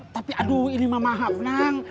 tapi aduh ini mah maaf nang